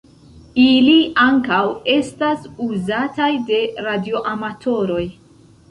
Ili ankaŭ estas uzataj de radioamatoroj.